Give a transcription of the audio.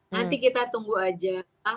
nanti kita tunggu aja